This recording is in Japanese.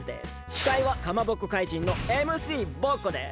しかいはかまぼこかいじんのＭＣボッコです！